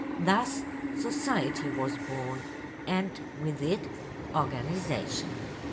Thus, society was born, and with it, organization.